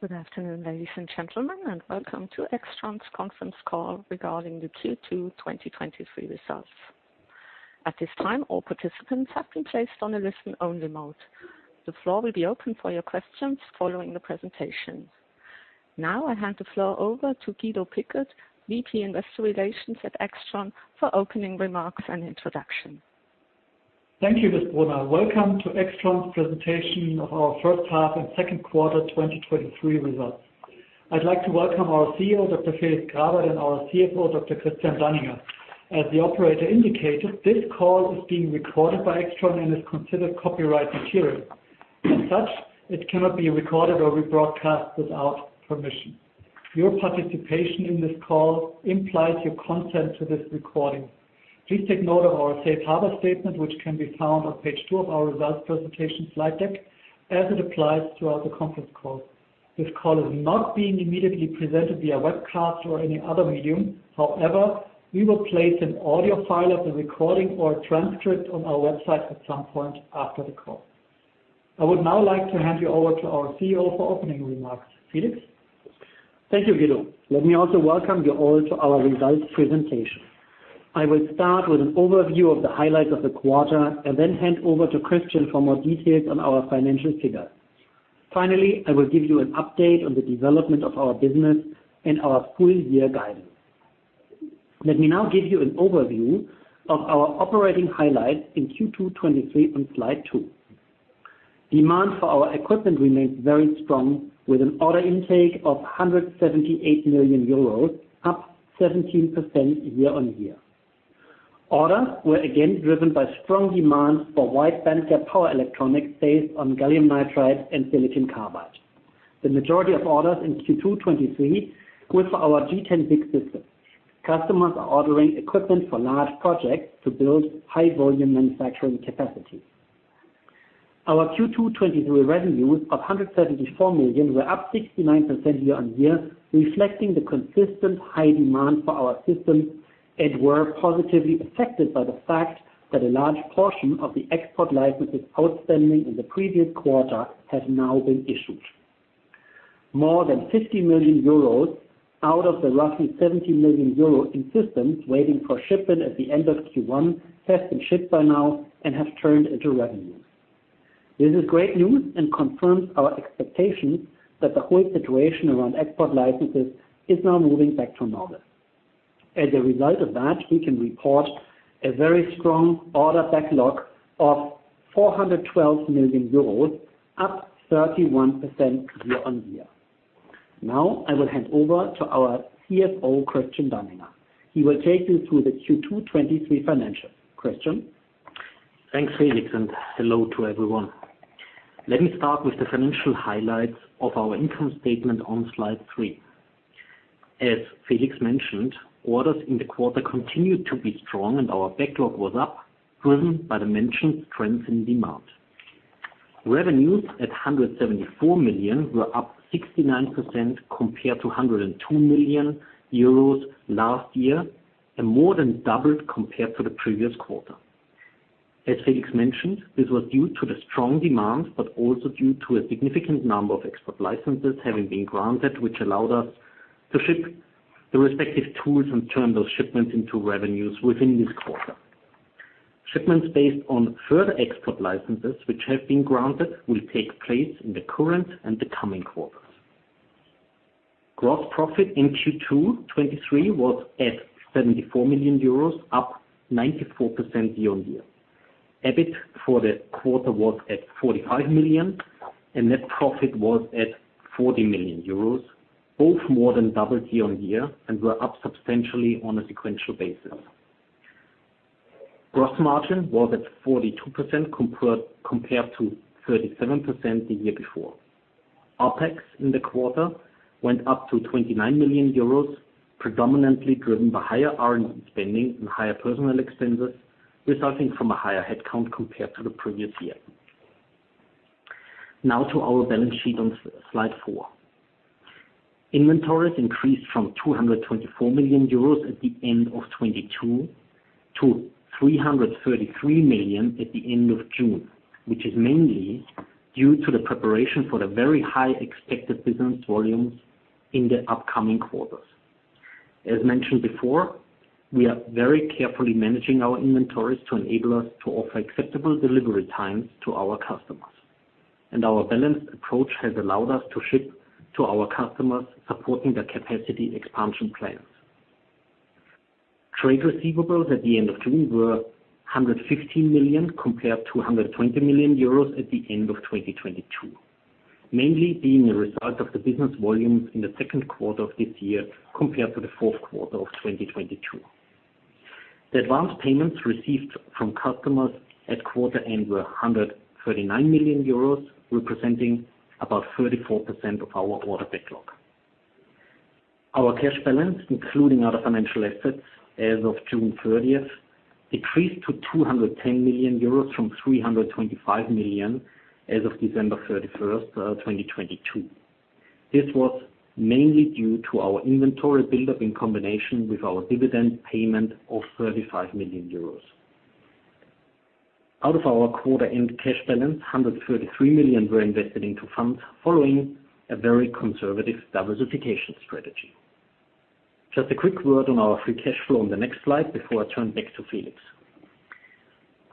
Good afternoon, ladies and gentlemen, and welcome to AIXTRON's conference call regarding the Q2 2023 results. At this time, all participants have been placed on a listen-only mode. The floor will be open for your questions following the presentation. Now, I hand the floor over to Guido Pickert, VP Investor Relations at AIXTRON, for opening remarks and introduction. Thank you, Miss Brunner. Welcome to AIXTRON's presentation of our first half and second quarter 2023 results. I'd like to welcome our CEO, Dr. Felix Grawert, and our CFO, Dr. Christian Danninger. As the operator indicated, this call is being recorded by AIXTRON and is considered copyright material. As such, it cannot be recorded or rebroadcast without permission. Your participation in this call implies your consent to this recording. Please take note of our safe harbor statement, which can be found on page two of our results presentation slide deck, as it applies throughout the conference call. This call is not being immediately presented via webcast or any other medium. However, we will place an audio file of the recording or a transcript on our website at some point after the call. I would now like to hand you over to our CEO for opening remarks. Felix? Thank you, Guido. Let me also welcome you all to our results presentation. I will start with an overview of the highlights of the quarter. Then hand over to Christian for more details on our financial figures. Finally, I will give you an update on the development of our business and our full year guidance. Let me now give you an overview of our operating highlights in Q2 2023 on slide two. Demand for our equipment remains very strong, with an order intake of 178 million euros, up 17% year-on-year. Orders were again driven by strong demand for wide bandgap power electronics based on gallium nitride and silicon carbide. The majority of orders in Q2 2023 were for our G10-SiC system. Customers are ordering equipment for large projects to build high volume manufacturing capacity. Our Q2 2023 revenues of 174 million were up 69% year-on-year, reflecting the consistent high demand for our system, and were positively affected by the fact that a large portion of the export licenses outstanding in the previous quarter have now been issued. More than 50 million euros out of the roughly 70 million euro in systems waiting for shipment at the end of Q1, have been shipped by now and have turned into revenues. This is great news and confirms our expectation that the whole situation around export licenses is now moving back to normal. As a result of that, we can report a very strong order backlog of 412 million euros, up 31% year-on-year. I will hand over to our CFO, Christian Danninger. He will take you through the Q2 2023 financials. Christian? Thanks, Felix. Hello to everyone. Let me start with the financial highlights of our income statement on slide three. As Felix mentioned, orders in the quarter continued to be strong and our backlog was up, driven by the mentioned trends in demand. Revenues at 174 million were up 69% compared to 102 million euros last year, and more than doubled compared to the previous quarter. As Felix mentioned, this was due to the strong demand, but also due to a significant number of export licenses having been granted, which allowed us to ship the respective tools and turn those shipments into revenues within this quarter. Shipments based on further export licenses, which have been granted, will take place in the current and the coming quarters. Gross profit in Q2 2023 was at 74 million euros, up 94% year-on-year. EBIT for the quarter was at 45 million, and net profit was at 40 million euros, both more than doubled year-on-year and were up substantially on a sequential basis. Gross margin was at 42% compared to 37% the year before. OpEx in the quarter went up to 29 million euros, predominantly driven by higher R&D spending and higher personnel expenses, resulting from a higher headcount compared to the previous year. Now to our balance sheet on slide four. Inventories increased from 224 million euros at the end of 2022, to 333 million at the end of June, which is mainly due to the preparation for the very high expected business volumes in the upcoming quarters. As mentioned before, we are very carefully managing our inventories to enable us to offer acceptable delivery times to our customers. Our balanced approach has allowed us to ship to our customers, supporting their capacity expansion plans. Trade receivables at the end of June were 115 million, compared to 120 million euros at the end of 2022, mainly being a result of the business volumes in the second quarter of this year, compared to the fourth quarter of 2022. The advanced payments received from customers at quarter end were 139 million euros, representing about 34% of our order backlog. Our cash balance, including other financial assets as of June 30th, decreased to 210 million euros from 325 million as of December 31st, 2022. This was mainly due to our inventory buildup in combination with our dividend payment of 35 million euros. Out of our quarter end cash balance, 133 million were invested into funds following a very conservative diversification strategy. Just a quick word on our free cash flow on the next slide before I turn back to Felix.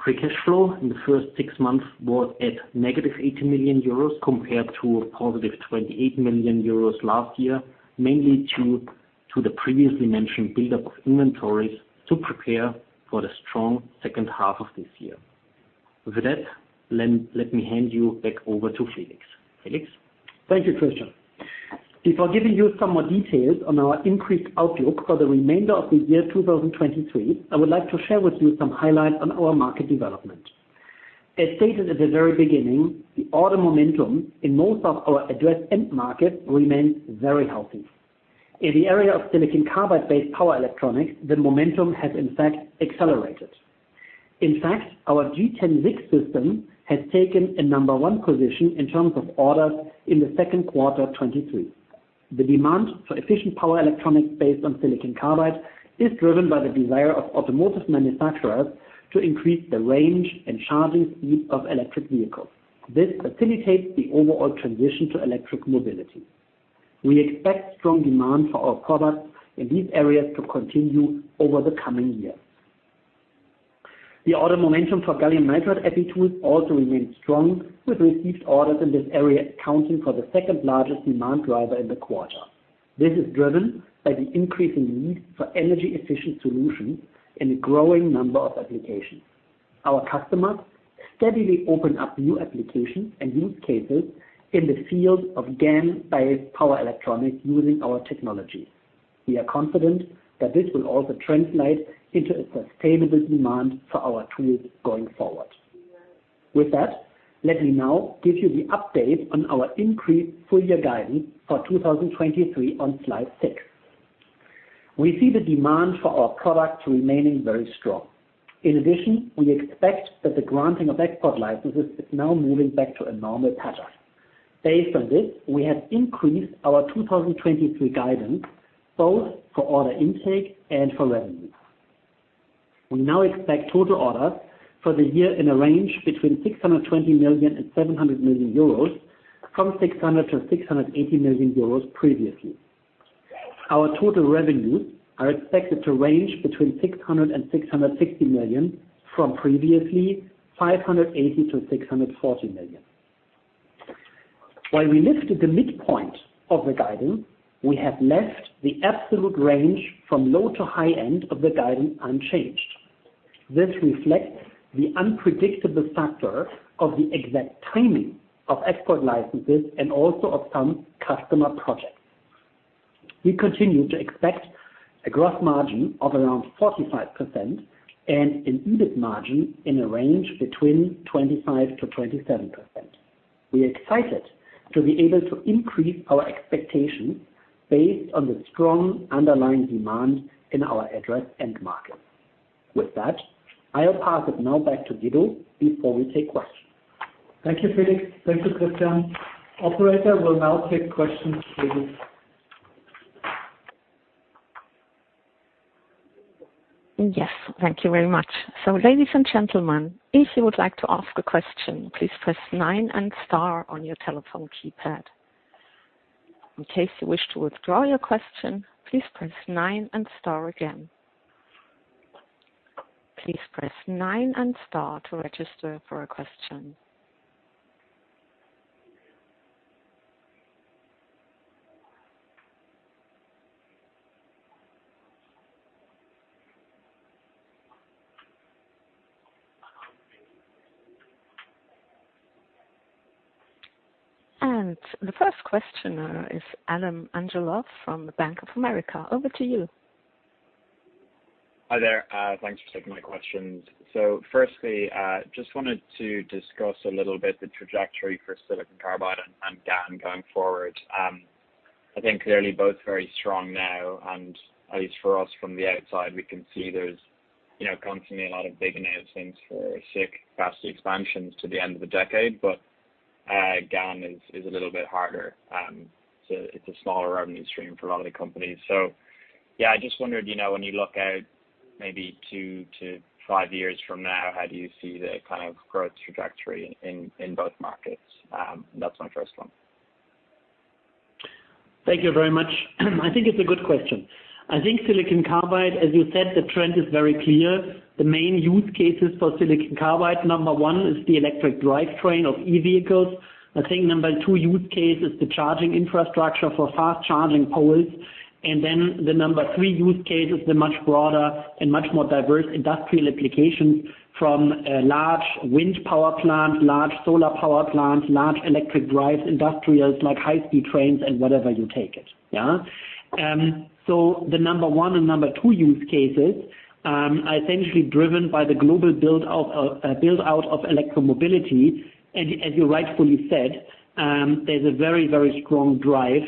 Free cash flow in the first six months was at negative 80 million euros, compared to a positive 28 million euros last year, mainly to the previously mentioned buildup of inventories to prepare for the strong second half of this year. With that, let me hand you back over to Felix. Felix? Thank you, Christian. Before giving you some more details on our increased outlook for the remainder of the year 2023, I would like to share with you some highlights on our market development. As stated at the very beginning, the order momentum in most of our address end markets remains very healthy. In the area of silicon carbide-based power electronics, the momentum has in fact accelerated. In fact, our G10-SiC system has taken a number one position in terms of orders in the second quarter of 2023. The demand for efficient power electronics based on silicon carbide is driven by the desire of automotive manufacturers to increase the range and charging speed of electric vehicles. This facilitates the overall transition to electric mobility. We expect strong demand for our products in these areas to continue over the coming years. The order momentum for gallium nitride epi tools also remains strong, with received orders in this area accounting for the second-largest demand driver in the quarter. This is driven by the increasing need for energy-efficient solutions in a growing number of applications. Our customers steadily open up new applications and use cases in the field of GaN-based power electronics using our technology. We are confident that this will also translate into a sustainable demand for our tools going forward. Let me now give you the update on our increased full year guidance for 2023 on slide six. We see the demand for our products remaining very strong. In addition, we expect that the granting of export licenses is now moving back to a normal pattern. Based on this, we have increased our 2023 guidance, both for order intake and for revenue. We now expect total orders for the year in a range between 620 million and 700 million euros, from 600 million-680 million euros previously. Our total revenues are expected to range between 600 million-660 million, from previously 580 million-640 million. While we lifted the midpoint of the guidance, we have left the absolute range from low to high end of the guidance unchanged. This reflects the unpredictable factor of the exact timing of export licenses and also of some customer projects. We continue to expect a gross margin of around 45% and an EBIT margin in a range between 25%-27%. We are excited to be able to increase our expectations based on the strong underlying demand in our address end market. With that, I'll pass it now back to Guido before we take questions. Thank you, Felix. Thank you, Christian. Operator, we'll now take questions, please. Yes, thank you very much. Ladies and gentlemen, if you would like to ask a question, please press nine and star on your telephone keypad. In case you wish to withdraw your question, please press nine and star again. Please press nine and star to register for a question. The first questioner is Adam Angelov from the Bank of America. Over to you. Hi there, thanks for taking my questions. firstly, just wanted to discuss a little bit the trajectory for silicon carbide and GaN going forward. I think clearly both very strong now, and at least for us from the outside, we can see there's, you know, constantly a lot of big-name things for SiC capacity expansions to the end of the decade, but GaN is a little bit harder. it's a smaller revenue stream for a lot of the companies. Yeah, I just wondered, you know, when you look out maybe 2 to 5 years from now, how do you see the kind of growth trajectory in both markets? That's my first one. Thank you very much. I think it's a good question. I think silicon carbide, as you said, the trend is very clear. The main use cases for silicon carbide, number one, is the electric drivetrain of e-vehicles. I think number two use case is the charging infrastructure for fast charging poles. The number three use case is the much broader and much more diverse industrial applications from large wind power plants, large solar power plants, large electric drive industrials, like high-speed trains and whatever you take it. Yeah. The number one and number two use cases are essentially driven by the global build out of electromobility. As you rightfully said, there's a very, very strong drive,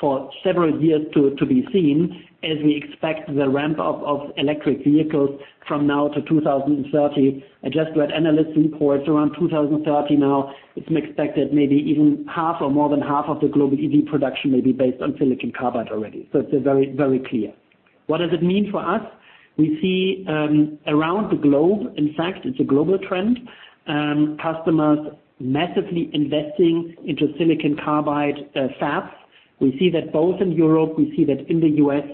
for several years to be seen as we expect the ramp up of electric vehicles from now to 2030. I just read analyst reports around 2030 now, it's expected maybe even half or more than half of the global EV production may be based on silicon carbide already. It's a very, very clear. What does it mean for us? We see, around the globe, in fact, it's a global trend, customers massively investing into silicon carbide fabs. We see that both in Europe, we see that in the U.S.,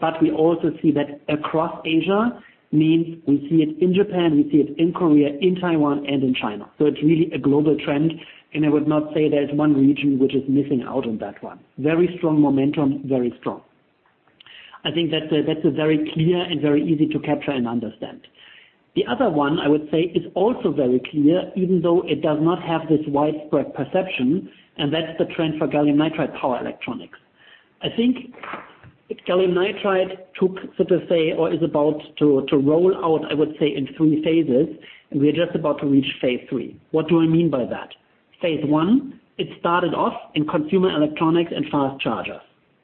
but we also see that across Asia, means we see it in Japan, we see it in Korea, in Taiwan, and in China. It's really a global trend, and I would not say there's one region which is missing out on that one. Very strong momentum, very strong. I think that's a very clear and very easy to capture and understand. The other one, I would say, is also very clear, even though it does not have this widespread perception, and that's the trend for gallium nitride power electronics. I think if gallium nitride took, so to say, or is about to roll out, I would say, in three phases, and we are just about to reach phase III. What do I mean by that? Phase I, it started off in consumer electronics and fast chargers.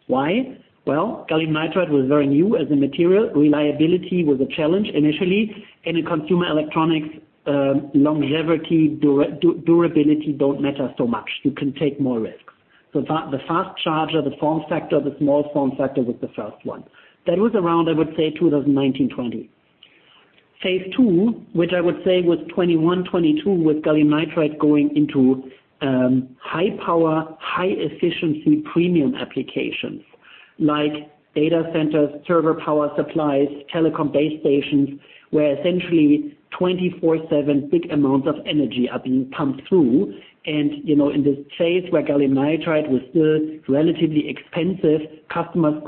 Why? Gallium nitride was very new as a material. Reliability was a challenge initially, and in consumer electronics, longevity, durability don't matter so much. You can take more risks. The fast charger, the form factor, the small form factor was the first one. That was around, I would say, 2019, 2020. Phase II, which I would say was 2021, 2022, with gallium nitride going into high power, high efficiency premium applications like data centers, server power supplies, telecom base stations, where essentially 24/7 big amounts of energy are being pumped through. You know, in this phase, where gallium nitride was still relatively expensive, customers,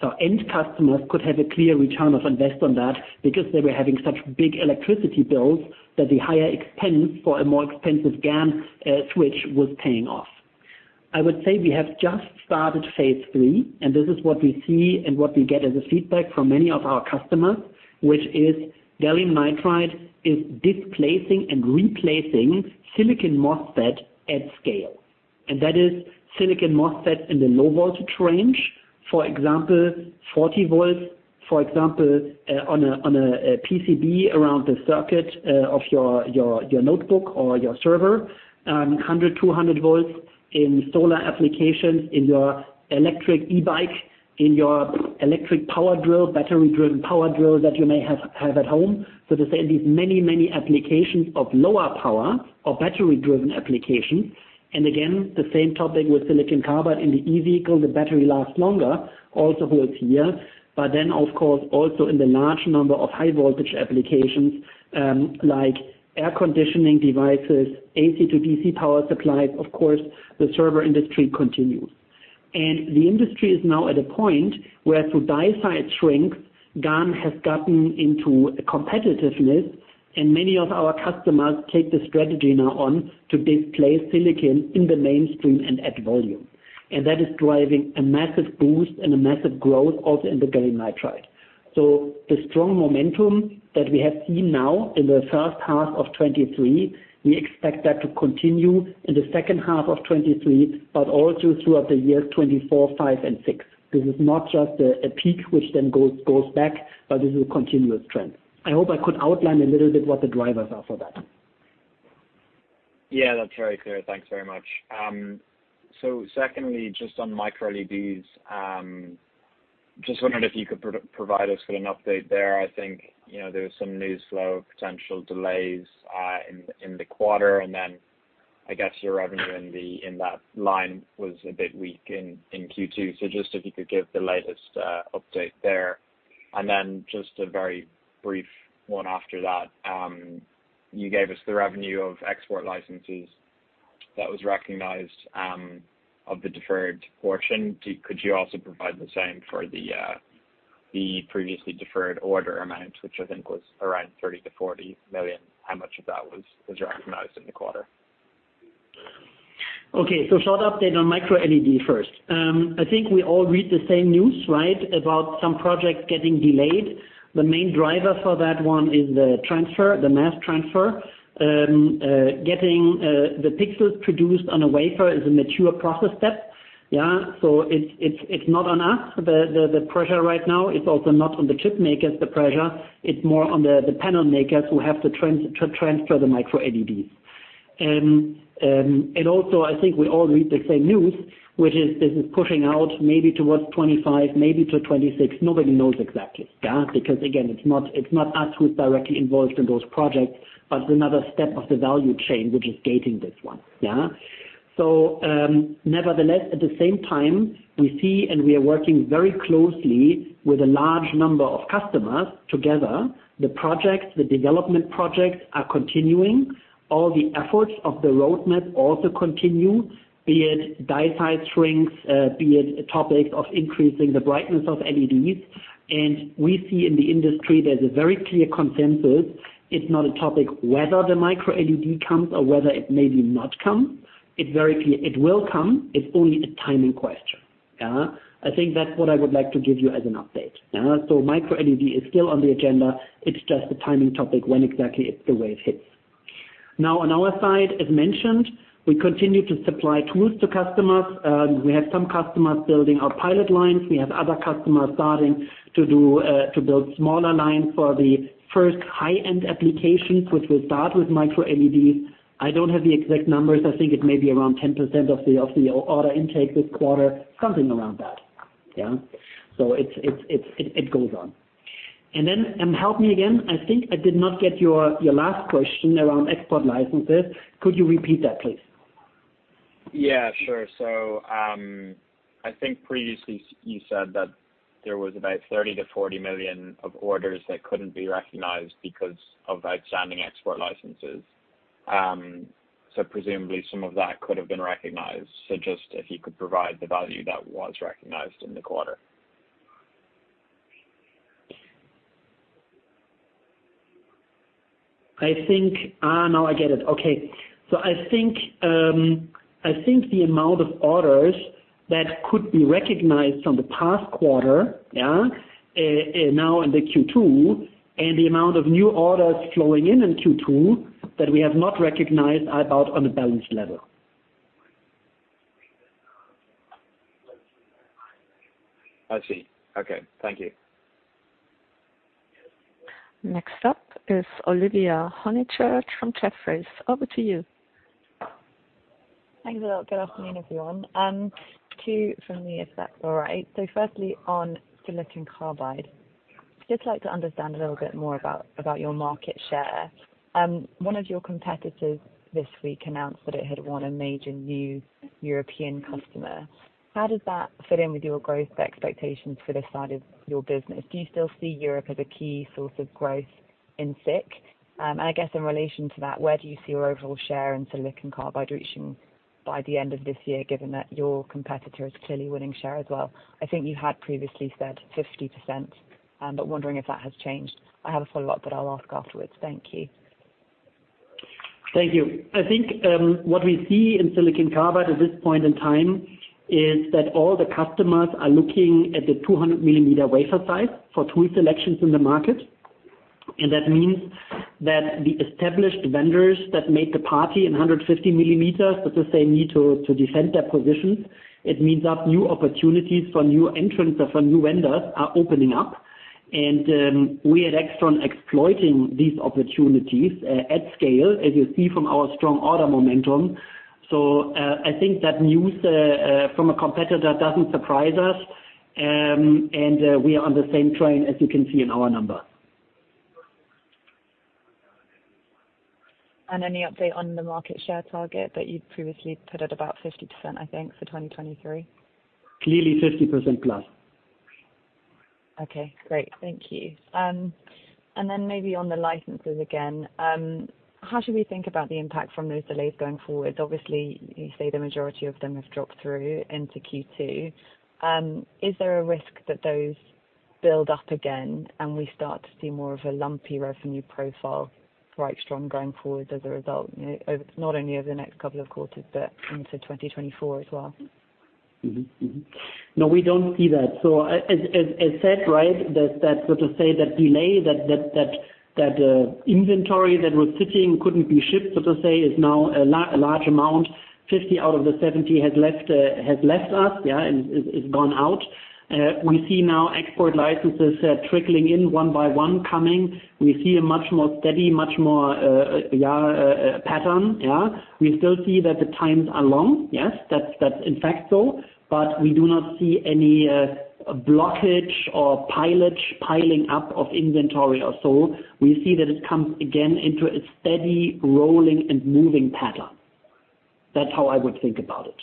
so end customers could have a clear return of invest on that because they were having such big electricity bills that the higher expense for a more expensive GaN switch was paying off. I would say we have just started phase III, this is what we see and what we get as a feedback from many of our customers, which is gallium nitride is displacing and replacing silicon MOSFET at scale. That is silicon MOSFET in the low voltage range, for example, 40 volts, for example, on a PCB around the circuit of your notebook or your server. 100, 200 volts in solar applications, in your electric e-bike, in your electric power drill, battery-driven power drill that you may have at home. To say, these many applications of lower power or battery-driven applications, again, the same topic with silicon carbide in the e-vehicle, the battery lasts longer, also holds here. Of course, also in the large number of high voltage applications, like air conditioning devices, AC to DC power supplies, of course, the server industry continues. The industry is now at a point where through die size, GaN has gotten into competitiveness, and many of our customers take the strategy now on to displace silicon in the mainstream and at volume. That is driving a massive boost and a massive growth also in the gallium nitride. The strong momentum that we have seen now in the first half of 2023, we expect that to continue in the second half of 2023, but also throughout the year 2024, 2025, and 2026. This is not just a peak, which then goes back, but this is a continuous trend. I hope I could outline a little bit what the drivers are for that. Yeah, that's very clear. Thanks very much. Secondly, just on Micro-LEDs, just wondering if you could provide us with an update there. I think, you know, there was some news flow, potential delays, in the quarter, I guess your revenue in that line was a bit weak in Q2. Just if you could give the latest update there. Just a very brief one after that. You gave us the revenue of export licenses that was recognized, of the deferred portion. Could you also provide the same for the previously deferred order amounts, which I think was around 30 million-40 million? How much of that was recognized in the quarter? Okay, short update on Micro-LED first. I think we all read the same news, right, about some projects getting delayed. The main driver for that one is the transfer, the mass transfer. Getting the pixels produced on a wafer is a mature process step. Yeah, it's not on us. The pressure right now is also not on the chip makers. It's more on the panel makers who have to transfer the Micro-LEDs. I think we all read the same news, which is this is pushing out maybe towards 2025, maybe to 2026. Nobody knows exactly, yeah? Again, it's not us who is directly involved in those projects, but another step of the value chain, which is gating this one, yeah? Nevertheless, at the same time, we see and we are working very closely with a large number of customers together. The projects, the development projects are continuing. All the efforts of the roadmap also continue, be it die size shrinks, be it topics of increasing the brightness of LEDs. We see in the industry there's a very clear consensus. It's not a topic whether the Micro-LED comes or whether it maybe not come. It very clear, it will come. It's only a timing question, yeah? I think that's what I would like to give you as an update. Micro-LED is still on the agenda, it's just a timing topic when exactly it's the wave hits. Now, on our side, as mentioned, we continue to supply tools to customers. We have some customers building our pilot lines. We have other customers starting to do to build smaller lines for the first high-end applications, which will start with Micro-LEDs. I don't have the exact numbers. I think it may be around 10% of the order intake this quarter, something around that. Yeah. It goes on. Help me again, I think I did not get your last question around export licenses. Could you repeat that, please? Yeah, sure. I think previously you said that there was about 30 million-40 million of orders that couldn't be recognized because of outstanding export licenses. Presumably some of that could have been recognized. Just if you could provide the value that was recognized in the quarter. Now I get it. Okay. I think the amount of orders that could be recognized from the past quarter, yeah, now in the Q2, and the amount of new orders flowing in in Q2, that we have not recognized are about on a balanced level. I see. Okay. Thank you. Next up is Olivia Honychurch from Jefferies. Over to you. Thanks a lot. Good afternoon, everyone. Two from me, if that's all right. Firstly, on silicon carbide, just like to understand a little bit more about your market share. One of your competitors this week announced that it had won a major new European customer. How does that fit in with your growth expectations for this side of your business? Do you still see Europe as a key source of growth in SiC? I guess in relation to that, where do you see your overall share in silicon carbide reaching by the end of this year, given that your competitor is clearly winning share as well? I think you had previously said 50%, wondering if that has changed. I have a follow-up, I'll ask afterwards. Thank you. Thank you. I think, what we see in silicon carbide at this point in time, is that all the customers are looking at the 200 mm wafer size for tool selections in the market. That means that the established vendors that made the party in 150 mm, so to say, need to defend their positions. It means that new opportunities for new entrants or for new vendors are opening up, and we at AIXTRON exploiting these opportunities at scale, as you see from our strong order momentum. I think that news from a competitor doesn't surprise us, and we are on the same train, as you can see in our numbers. Any update on the market share target that you'd previously put at about 50%, I think, for 2023? Clearly 50%+. Okay, great. Thank you. Then maybe on the licenses again, how should we think about the impact from those delays going forward? Obviously, you say the majority of them have dropped through into Q2. Is there a risk that those build up again and we start to see more of a lumpy revenue profile for AIXTRON going forward as a result, you know, not only over the next couple of quarters, but into 2024 as well? No, we don't see that. As said, right, that delay, inventory that was sitting, couldn't be shipped, so to say, is now a large amount, 50 out of the 70 has left us, yeah, and it's gone out. We see now export licenses trickling in, one by one coming. We see a much more steady, much more pattern, yeah? We still see that the times are long. Yes, that's in fact so, we do not see any blockage or pilot piling up of inventory or so. We see that it comes again into a steady rolling and moving pattern. That's how I would think about it.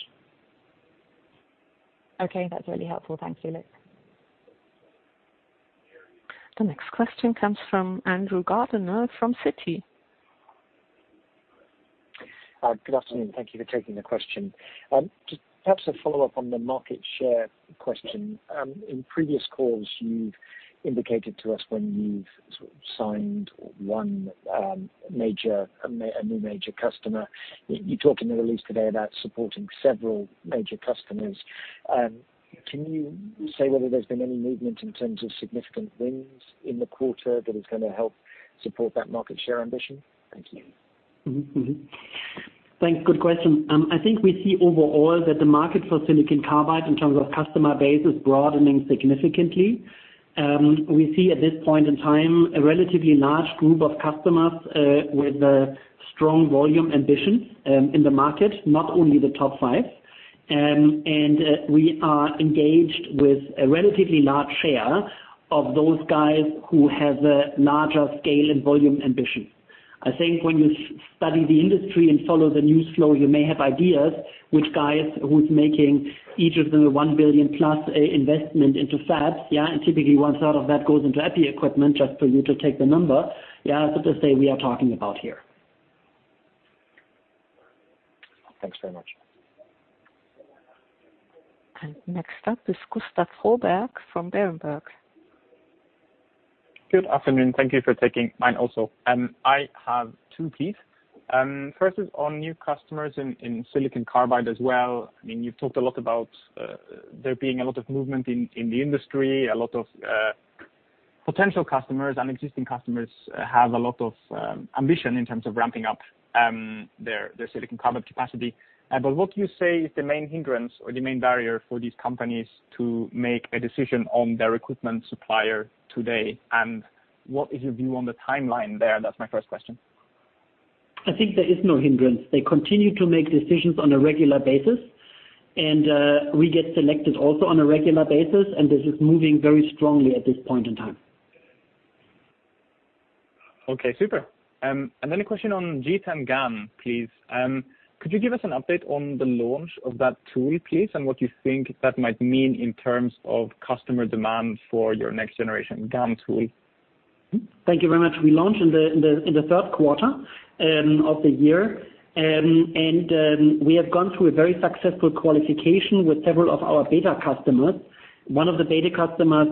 Okay, that's really helpful. Thanks, Felix. The next question comes from Andrew Gardiner, from Citi. Good afternoon. Thank you for taking the question. Just perhaps a follow-up on the market share question. In previous calls, you've indicated to us when you've sort of signed one, a new major customer. You talked in the release today about supporting several major customers. Can you say whether there's been any movement in terms of significant wins in the quarter that is gonna help support that market share ambition? Thank you. Mm-hmm, mm-hmm. Thanks. Good question. I think we see overall that the market for silicon carbide in terms of customer base, is broadening significantly. We see at this point in time, a relatively large group of customers, with strong volume ambitions, in the market, not only the top five. We are engaged with a relatively large share of those guys who have a larger scale and volume ambition. I think when you study the industry and follow the news flow, you may have ideas which guys, who's making each of them a 1 billion plus investment into fabs, yeah, typically one third of that goes into EPI equipment, just for you to take the number. Yeah, so to say, we are talking about here. Thanks very much. Next up is Gustav Froberg from Berenberg. Good afternoon. Thank you for taking mine also. I have two, please. First is on new customers in, in silicon carbide as well. I mean, you've talked a lot about, there being a lot of movement in, in the industry, a lot of, potential customers and existing customers, have a lot of, ambition in terms of ramping up, their, their silicon carbide capacity. What do you say is the main hindrance or the main barrier for these companies to make a decision on their equipment supplier today? What is your view on the timeline there? That's my first question.... I think there is no hindrance. They continue to make decisions on a regular basis, and we get selected also on a regular basis, and this is moving very strongly at this point in time. Okay, super. A question on G10-GaN, please. Could you give us an update on the launch of that tool, please, and what you think that might mean in terms of customer demand for your next generation GaN tool? Thank you very much. We launched in the third quarter of the year. We have gone through a very successful qualification with several of our beta customers. One of the beta customers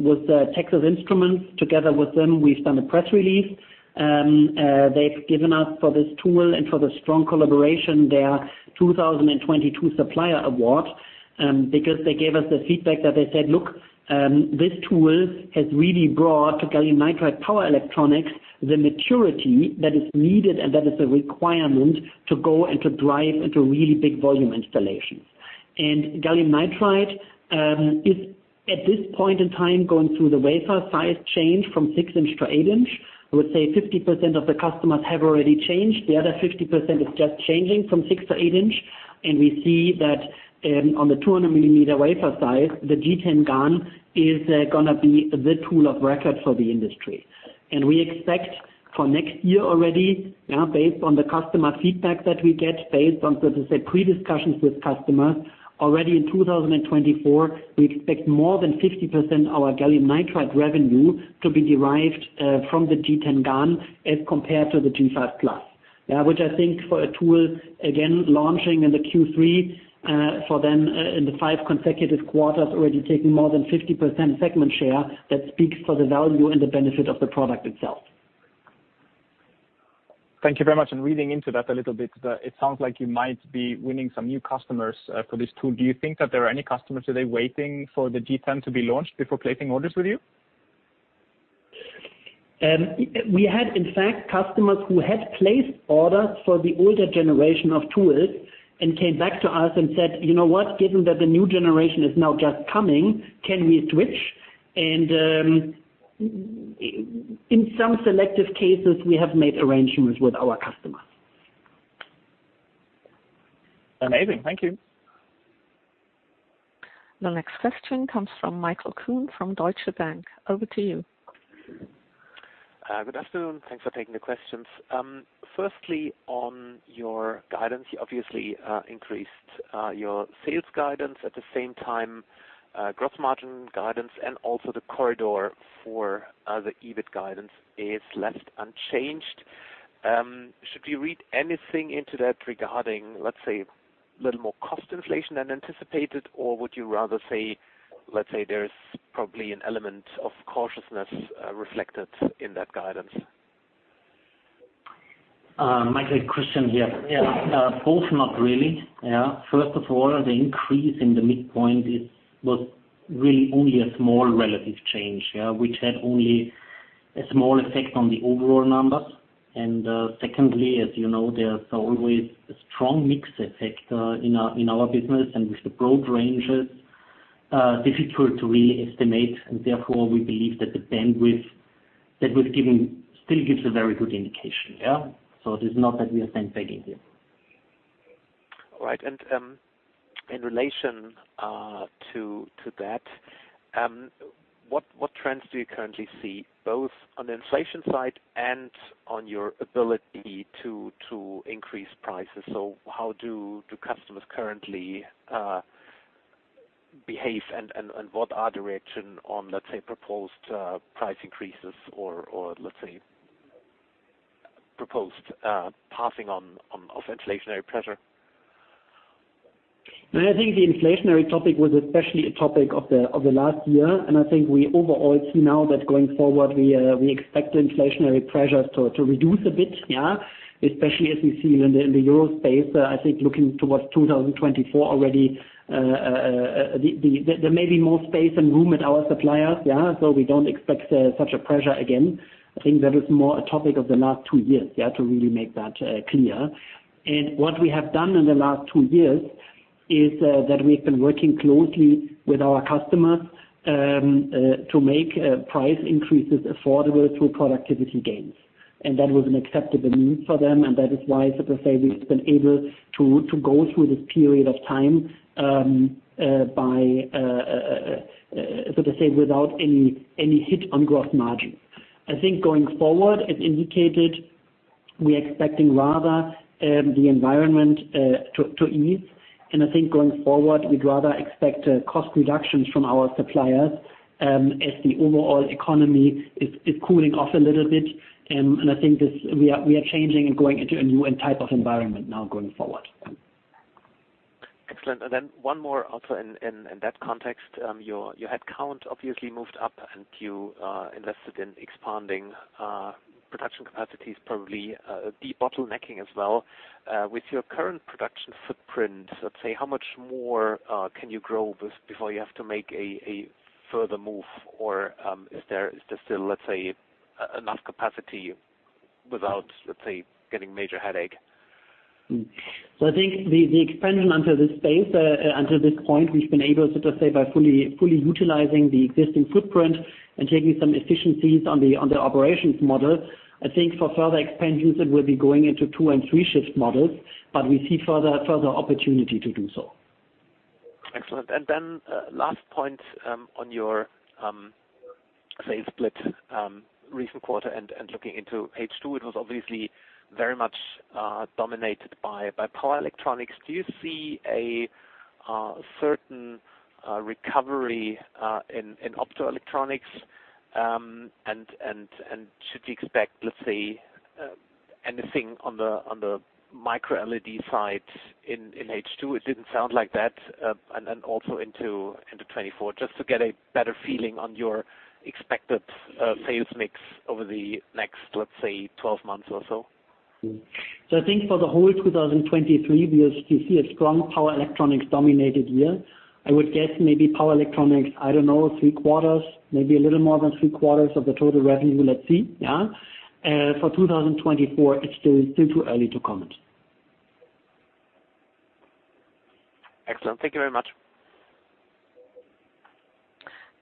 was Texas Instruments. Together with them, we've done a press release. They've given us for this tool and for the strong collaboration, their 2022 Supplier Award, because they gave us the feedback that they said, "Look, this tool has really brought to gallium nitride power electronics, the maturity that is needed, and that is a requirement to go and to drive into really big volume installations." Gallium nitride is, at this point in time, going through the wafer size change from 6-inch to 8-inch. I would say 50% of the customers have already changed. The other 50% is just changing from 6 to 8 inch. We see that on the 200 mm wafer size, the G10-GaN is going to be the tool of record for the industry. We expect for next year already, based on the customer feedback that we get, based on, so to say, pre-discussions with customers, already in 2024, we expect more than 50% our gallium nitride revenue to be derived from the G10-GaN as compared to the G5+. Which I think for a tool, again, launching in the Q3, for them, in the 5 consecutive quarters, already taking more than 50% segment share, that speaks for the value and the benefit of the product itself. Thank you very much. Reading into that a little bit, it sounds like you might be winning some new customers, for this tool. Do you think that there are any customers today waiting for the G10 to be launched before placing orders with you? We had, in fact, customers who had placed orders for the older generation of tools and came back to us and said, "You know what? Given that the new generation is now just coming, can we switch?" In some selective cases, we have made arrangements with our customers. Amazing. Thank you. The next question comes from Michael Kuhn from Deutsche Bank. Over to you. Good afternoon. Thanks for taking the questions. Firstly, on your guidance, you obviously increased your sales guidance. At the same time, gross margin guidance and also the corridor for the EBIT guidance is left unchanged. Should we read anything into that regarding, let's say, little more cost inflation than anticipated, or would you rather say, let's say, there is probably an element of cautiousness reflected in that guidance? Michael, Christian here. Both not really. First of all, the increase in the midpoint was really only a small relative change, which had only a small effect on the overall numbers. Secondly, as you know, there's always a strong mix effect in our business, and with the broad ranges, difficult to really estimate, and therefore, we believe that the bandwidth that was given still gives a very good indication. It is not that we are saying begging here. All right. In relation to that, what trends do you currently see, both on the inflation side and on your ability to increase prices? How do the customers currently behave, and what are the reaction on, let's say, proposed price increases or, let's say, proposed passing on of inflationary pressure? I think the inflationary topic was especially a topic of the last year, and I think we overall see now that going forward, we expect the inflationary pressures to reduce a bit, yeah. Especially as we see in the Euro space, I think looking towards 2024 already, there may be more space and room at our suppliers, yeah, so we don't expect such a pressure again. I think that is more a topic of the last two years, yeah, to really make that clear. What we have done in the last two years is that we've been working closely with our customers to make price increases affordable through productivity gains. That was an acceptable mean for them, and that is why, so to say, we've been able to go through this period of time, by, so to say, without any hit on growth margin. I think going forward, as indicated, we're expecting rather, the environment to ease. I think going forward, we'd rather expect cost reductions from our suppliers, as the overall economy is cooling off a little bit. I think this, we are changing and going into a new type of environment now going forward. Excellent. And then one more also in, in, in that context. your, your head count obviously moved up and you invested in expanding production capacities, probably debottlenecking as well. with your current production footprint, let's say, how much more can you grow before you have to make a further move, or, is there, is there still, let's say, enough capacity without, let's say, getting major headache? I think the expansion under this space, until this point, we've been able, so to say, by fully utilizing the existing footprint and taking some efficiencies on the operations model. I think for further expansions, it will be going into two and three shift models, but we see further opportunity to do so. Excellent. Last point on your say, split, recent quarter and looking into H2, it was obviously very much dominated by power electronics. Do you see a certain recovery in optoelectronics? Should we expect, let's say, anything on the Micro-LED side in H2? It didn't sound like that, also into 2024. Just to get a better feeling on your expected sales mix over the next, let's say, 12 months or so. I think for the whole 2023, you see a strong power electronics dominated year. I would guess maybe power electronics, I don't know, three quarters, maybe a little more than three quarters of the total revenue. Let's see. Yeah. For 2024, it's still too early to comment. Excellent. Thank you very much.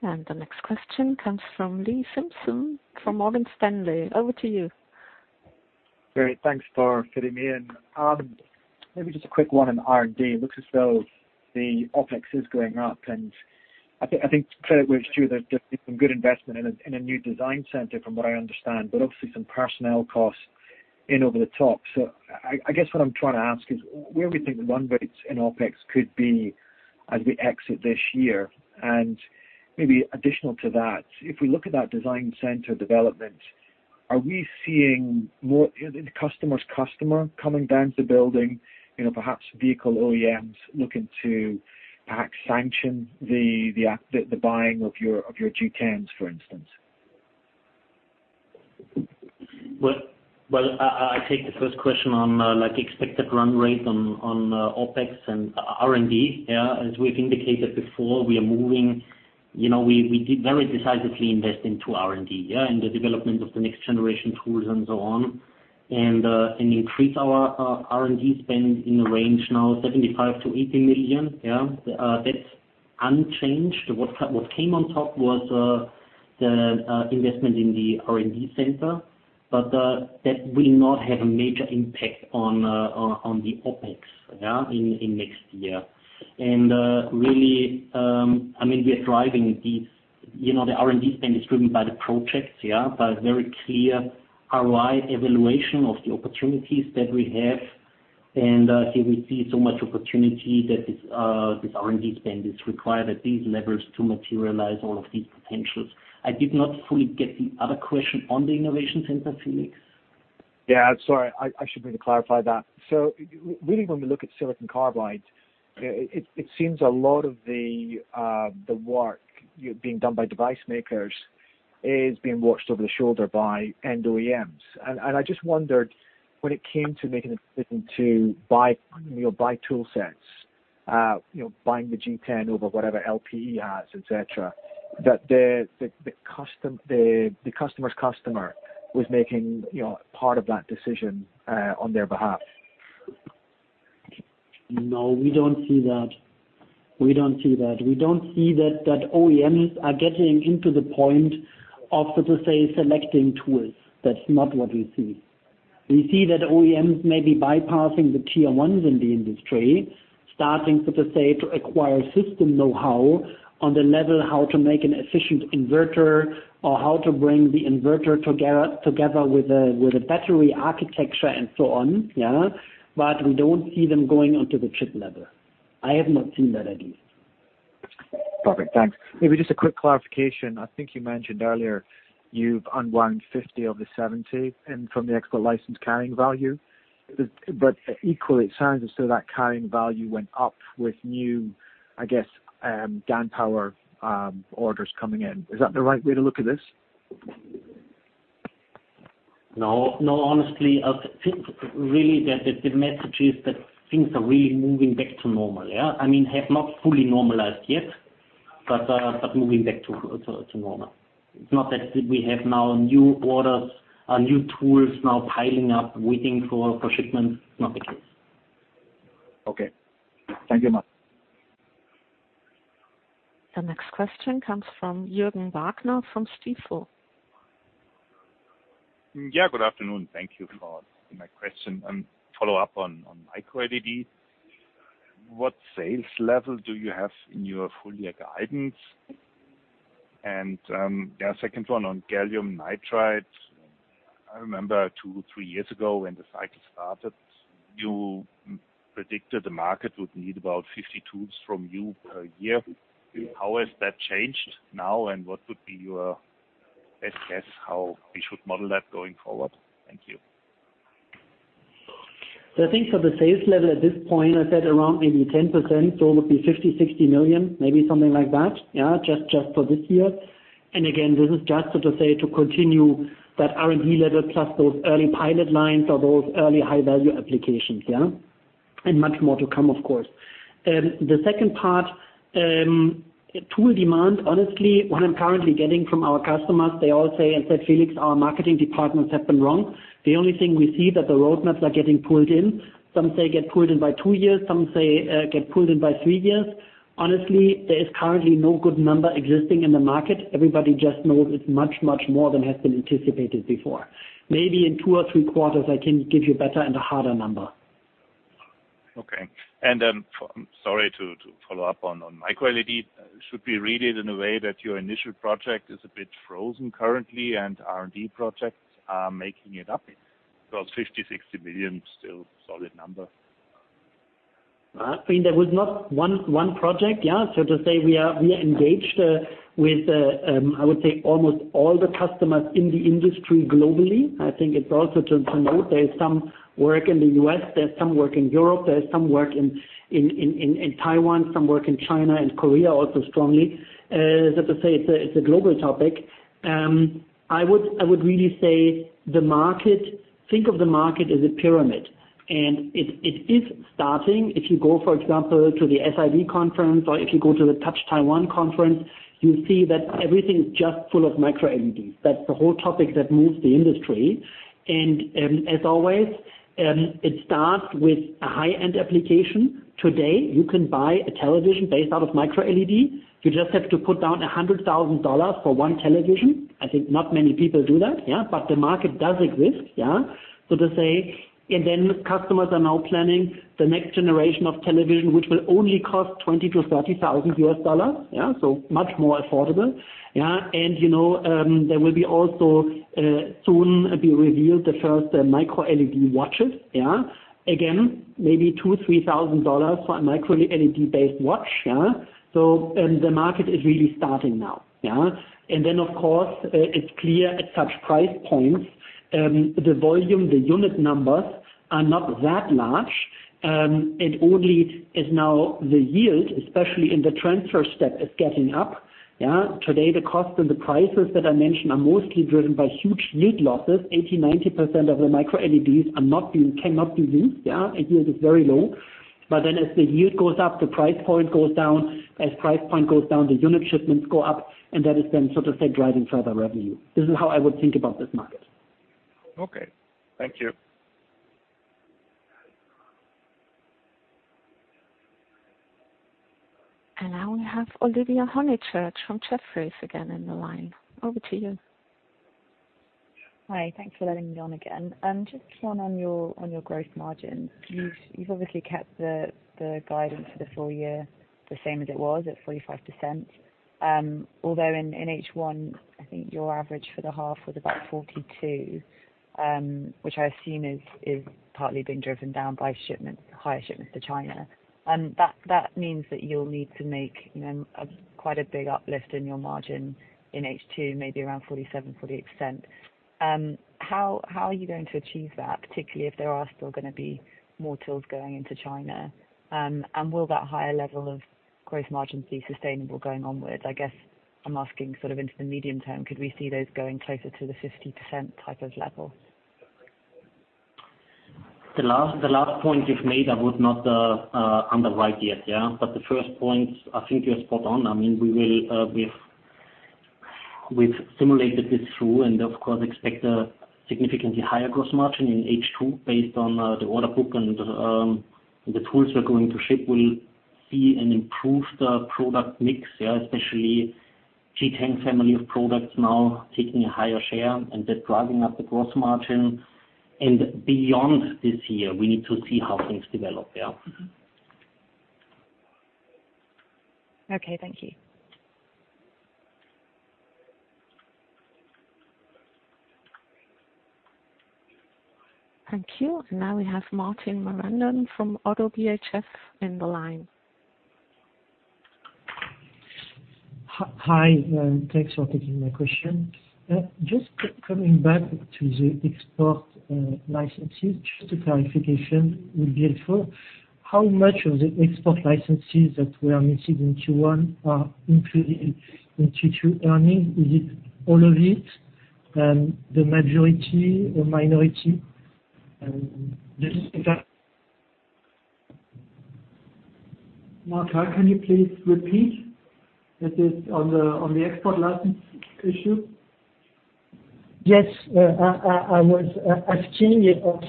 The next question comes from Lee Simpson, from Morgan Stanley. Over to you. Great, thanks for fitting me in. Maybe just a quick one on R&D. It looks as though the OpEx is going up, and I think credit where it's due, there's been some good investment in a new design center, from what I understand, but obviously some personnel costs in over the top. I guess what I'm trying to ask is, where we think the run rates in OpEx could be as we exit this year? Maybe additional to that, if we look at that design center development, are we seeing more the customer's customer coming down to the building, you know, perhaps vehicle OEMs looking to perhaps sanction the buying of your G10s, for instance? Well, I take the first question on, like, expected run rate on OpEx and R&D, yeah. As we've indicated before, we are moving, you know, we did very decisively invest into R&D, yeah, and the development of the next generation tools and so on. increase our R&D spend in the range now, 75 million-80 million, yeah. That's unchanged. What came on top was the investment in the R&D center, that will not have a major impact on the OpEx, yeah, in next year. really, I mean, we are driving these, you know, the R&D spend is driven by the projects, yeah, by very clear ROI evaluation of the opportunities that we have. Here we see so much opportunity that this R&D spend is required at these levels to materialize all of these potentials. I did not fully get the other question on the innovation center, Felix. Yeah, sorry, I should maybe clarify that. Really, when we look at silicon carbide, it seems a lot of the work being done by device makers is being watched over the shoulder by end OEMs. I just wondered, when it came to making a decision to buy, you know, buy tool sets, you know, buying the G10 over whatever LPE has, et cetera, that the customer's customer was making, you know, part of that decision on their behalf. No, we don't see that. We don't see that. We don't see that, that OEMs are getting into the point of, so to say, selecting tools. That's not what we see. We see that OEMs may be bypassing the tier ones in the industry, starting, so to say, to acquire system know-how on the level, how to make an efficient inverter, or how to bring the inverter together, together with a, with a battery architecture and so on, yeah. We don't see them going onto the chip level. I have not seen that at least. Perfect, thanks. Maybe just a quick clarification. I think you mentioned earlier, you've unwound 50 of the 70, and from the expert license carrying value. Equally, it sounds as though that carrying value went up with new, I guess, GaN power, orders coming in. Is that the right way to look at this? No. No, honestly, I think really the message is that things are really moving back to normal, yeah? I mean, have not fully normalized yet, but moving back to normal. It's not that we have now new orders, new tools now piling up, waiting for shipment. Not the case. Okay. Thank you very much. The next question comes from Jürgen Wagner, from Stifel. Yeah, good afternoon. Thank you for my question. Follow up on Micro-LED, what sales level do you have in your full year guidance? Yeah, second one on gallium nitride. I remember two, three years ago, when the cycle started, you predicted the market would need about 50 tools from you per year. How has that changed now, and what would be your best guess, how we should model that going forward? Thank you. I think for the sales level at this point, I said around maybe 10%, so it would be 50 million-60 million, maybe something like that, yeah, just for this year. Again, this is just so to say, to continue that R&D level, plus those early pilot lines or those early high-value applications, yeah. Much more to come, of course. The second part, tool demand, honestly, what I'm currently getting from our customers, they all say, I said, Felix, our marketing departments have been wrong. The only thing we see that the roadmaps are getting pulled in. Some say get pulled in by two years, some say, get pulled in by three years. Honestly, there is currently no good number existing in the market. Everybody just knows it's much, much more than has been anticipated before. Maybe in two or three quarters, I can give you better and a harder number. Okay. Then, sorry, to follow up on Micro-LED. Should we read it in a way that your initial project is a bit frozen currently, and R&D projects are making it up? Because 50 million, 60 million, still solid number. I mean, there was not one project, yeah. To say we are engaged with almost all the customers in the industry globally. I think it's also to note there is some work in the U.S., there's some work in Europe, there is some work in Taiwan, some work in China and Korea, also strongly. As I say, it's a global topic. I would really say the market. Think of the market as a pyramid, and it is starting. If you go, for example, to the SID conference or if you go to the Touch Taiwan conference, you see that everything's just full of Micro-LEDs. That's the whole topic that moves the industry. As always, it starts with a high-end application. Today, you can buy a television based out of Micro-LED. You just have to put down $100,000 for one television. I think not many people do that, yeah, but the market does exist, yeah? To say, customers are now planning the next generation of television, which will only cost $20,000-$30,000, yeah, so much more affordable. Yeah, you know, there will be also soon be revealed, the first Micro-LED watches, yeah. Again, maybe $2,000-$3,000 for a Micro-LED-based watch, yeah. The market is really starting now, yeah? Of course, it's clear at such price points, the volume, the unit numbers are not that large, only is now the yield, especially in the transfer step, is getting up. Yeah, today, the cost and the prices that I mentioned are mostly driven by huge yield losses. 80%, 90% of the Micro-LEDs cannot be used, yeah. The yield is very low. As the yield goes up, the price point goes down. As price point goes down, the unit shipments go up, and that is then, so to say, driving further revenue. This is how I would think about this market. Okay, thank you. Now we have Olivia Honychurch from Jefferies, again, in the line. Over to you. Hi, thanks for letting me on again. Just one on your growth margin. You've obviously kept the guidance for the full year the same as it was, at 45%. Although in H1, I think your average for the half was about 42%, which I assume is partly being driven down by higher shipments to China. That means that you'll need to make, you know, a quite a big uplift in your margin in H2, maybe around 47%-48%. How are you going to achieve that, particularly if there are still going to be more tools going into China? Will that higher level of growth margins be sustainable going onwards? I guess I'm asking sort of into the medium term, could we see those going closer to the 50% type of level? The last point you've made, I would not underwrite yet. The first point, I mean, we will, we've simulated this through and, of course, expect a significantly higher gross margin in H2 based on the order book and the tools we're going to ship. We'll see an improved product mix, especially G10 family of products now taking a higher share, and they're driving up the gross margin. Beyond this year, we need to see how things develop. Okay, thank you. Thank you. Now we have Martin Marandon from ODDO BHF in the line. Hi, thanks for taking my question. Just coming back to the export licenses, just a clarification will be helpful. How much of the export licenses that were missed in Q1 are included in Q2 earnings? Is it all of it, the majority or minority? Just exactly. Martin, can you please repeat? It is on the export license issue. Yes, I was asking of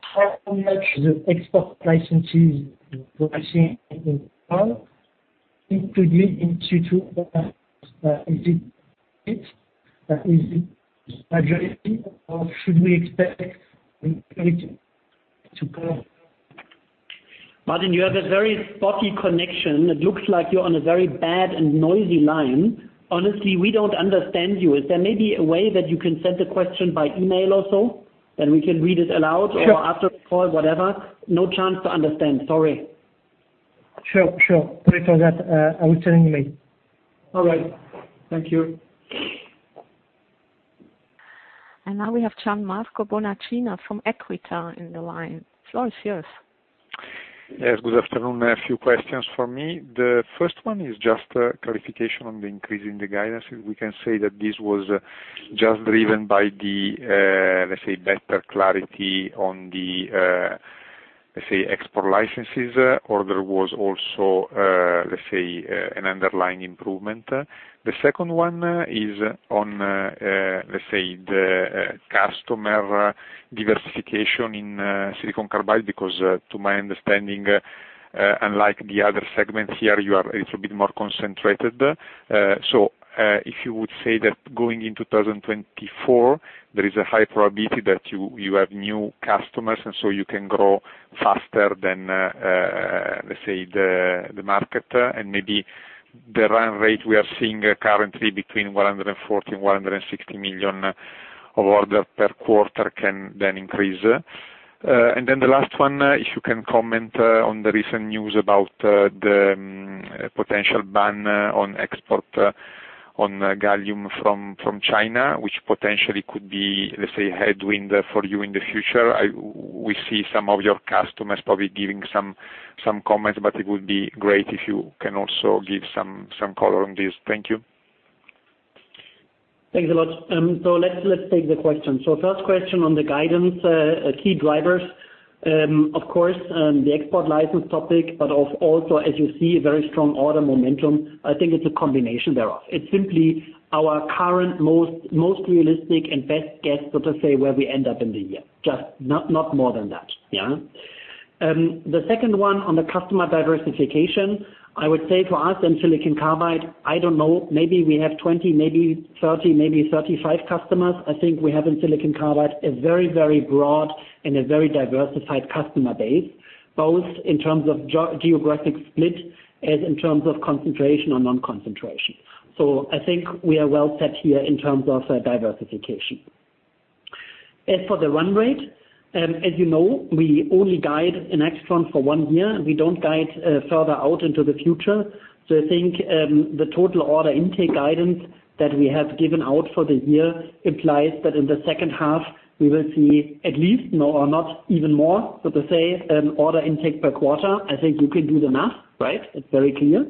how much the export licenses we're seeing in Q1, including in Q2, is it majority, or should we expect it to go? Martin, you have a very spotty connection. It looks like you're on a very bad and noisy line. Honestly, we don't understand you. Is there maybe a way that you can send the question by email or so, then we can read it aloud... Sure. -or after the call, whatever. No chance to understand. Sorry. Sure, sure. Sorry for that. I will send an email. All right. Thank you. Now we have Gianmarco Bonacina from Equita in the line. Floor is yours. Yes, good afternoon. A few questions from me. The first one is just a clarification on the increase in the guidance. If we can say that this was just driven by the, let's say, better clarity on the ... Let's say, export licenses, or there was also, let's say, an underlying improvement. The second one, is on, let's say the, customer diversification in, silicon carbide, because, to my understanding, unlike the other segments, here you are a little bit more concentrated. If you would say that going in 2024, there is a high probability that you have new customers, and so you can grow faster than, let's say, the, the market. Maybe the run rate we are seeing currently between 140 million and 160 million of order per quarter can then increase. The last one, if you can comment on the recent news about the potential ban on export on gallium from, from China, which potentially could be, let's say, a headwind for you in the future. We see some of your customers probably giving some, some comments, but it would be great if you can also give some, some color on this. Thank you. Thanks a lot. Let's take the question. First question on the guidance, key drivers, of course, the export license topic, but of also, as you see, very strong order momentum. I think it's a combination thereof. It's simply our current, most realistic and best guess, so to say, where we end up in the year, just not more than that, yeah? The second one on the customer diversification, I would say to us, in silicon carbide, I don't know, maybe we have 20, maybe 30, maybe 35 customers. I think we have in silicon carbide, a very broad and a very diversified customer base, both in terms of geo-geographic split, as in terms of concentration or non-concentration. I think we are well set here in terms of diversification. As for the run rate, as you know, we only guide in AIXTRON for one year. We don't guide further out into the future. I think, the total order intake guidance that we have given out for the year implies that in the second half, we will see at least, no or not even more, so to say, order intake per quarter. I think you can do the math, right? It's very clear.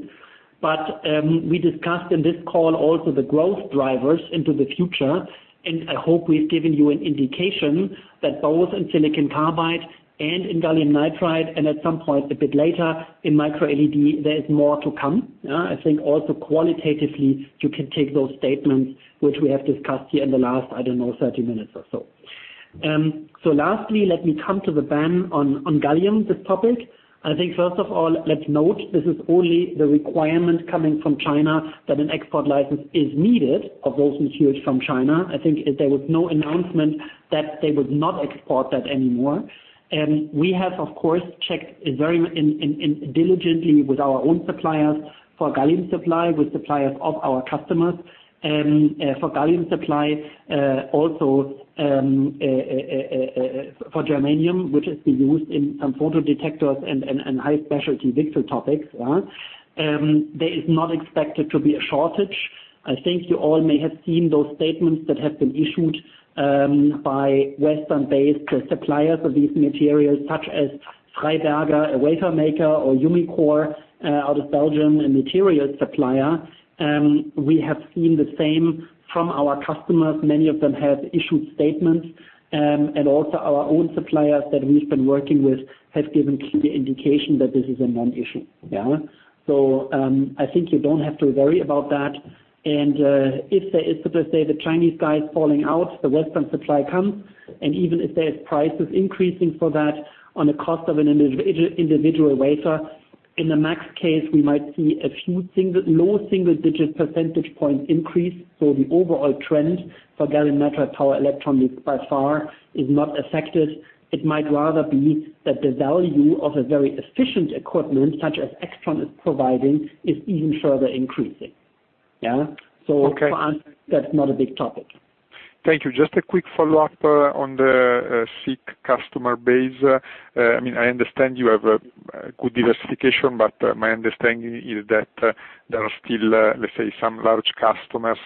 We discussed in this call also the growth drivers into the future, and I hope we've given you an indication that both in silicon carbide and in gallium nitride, and at some point a bit later in Micro-LED, there is more to come. I think also qualitatively, you can take those statements, which we have discussed here in the last, I don't know, 30 minutes or so. Lastly, let me come to the ban on gallium, this topic. I think, first of all, let's note, this is only the requirement coming from China, that an export license is needed of those materials from China. There was no announcement that they would not export that anymore. We have, of course, checked very diligently with our own suppliers for gallium supply, with suppliers of our customers, for gallium supply, also for germanium, which is being used in some photodetectors and high specialty VCSEL topics, right? There is not expected to be a shortage. I think you all may have seen those statements that have been issued by Western-based suppliers of these materials, such as Freiberger, a wafer maker, or Umicore, out of Belgium, a material supplier. We have seen the same from our customers. Many of them have issued statements, also our own suppliers that we've been working with have given clear indication that this is a non-issue, yeah. I think you don't have to worry about that. If there is, so to say, the Chinese guy is falling out, the Western supply comes, and even if there is prices increasing for that on a cost of an individual wafer, in the max case, we might see a few single, low single-digit percentage points increase. The overall trend for gallium nitride power electronics, by far, is not affected. It might rather be that the value of a very efficient equipment, such as AIXTRON is providing, is even further increasing. Okay. For us, that's not a big topic. Thank you. Just a quick follow-up on the SiC customer base. I mean, I understand you have a good diversification, but my understanding is that there are still, let's say, some large customers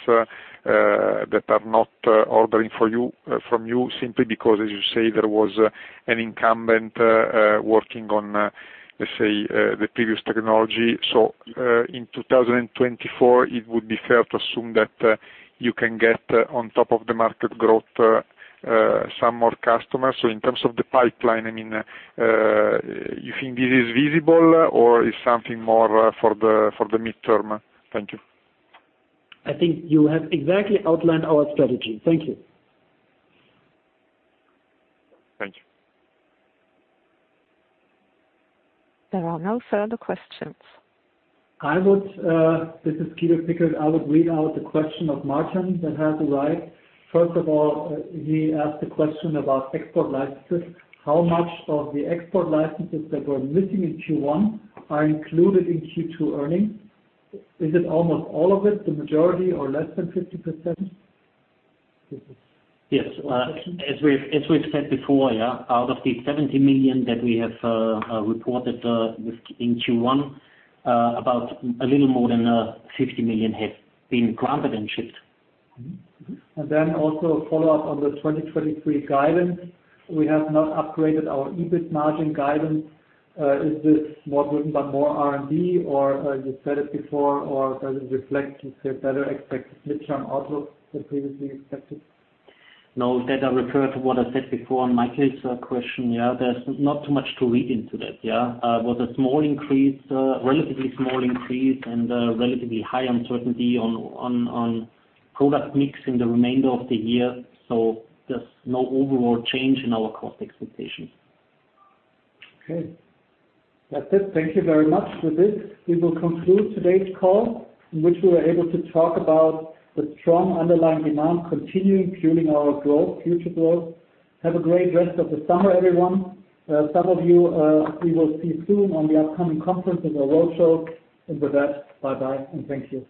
that are not ordering for you from you, simply because, as you say, there was an incumbent working on, let's say, the previous technology. In 2024, it would be fair to assume that you can get on top of the market growth some more customers. In terms of the pipeline, I mean, you think this is visible or is something more for the midterm? Thank you. I think you have exactly outlined our strategy. Thank you. Thank you. There are no further questions. I would, this is Guido Pickert, I would read out the question of Martin that has arrived. First of all, he asked a question about export licenses. How much of the export licenses that were missing in Q1 are included in Q2 earnings? Is it almost all of it, the majority, or less than 50%? Yes, as we've said before, yeah, out of the 70 million that we have reported, with, in Q1, about a little more than 50 million have been granted and shipped. Mm-hmm. Then also a follow-up on the 2023 guidance. We have not upgraded our EBIT margin guidance. Is this more driven by more R&D, or you said it before, or does it reflect, let's say, better expected mid-term outlook than previously expected? No, that I refer to what I said before on Michael's question, yeah. There's not too much to read into that, yeah. Was a small increase, relatively small increase and relatively high uncertainty on product mix in the remainder of the year, so there's no overall change in our cost expectations. Okay. That's it. Thank you very much. With this, we will conclude today's call, in which we were able to talk about the strong underlying demand continuing, fueling our growth, future growth. Have a great rest of the summer, everyone. Some of you, we will see you soon on the upcoming conference and the roadshow. With that, bye-bye, and thank you.